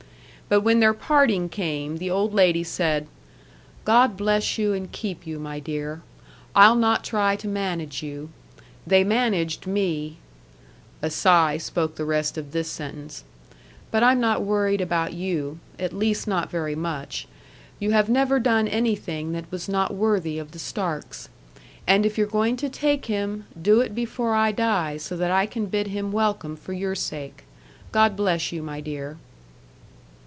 But when their parting came, the old lady said: "God bless you and keep you, my dear. I'll not try to manage you. They managed me " A sigh spoke the rest of this sentence. "But I'm not worried about you at least, not very much. You have never done anything that was not worthy of the Starks. And if you're going to take him, do it before I die so that I can bid him welcome for your sake. God bless you, my dear."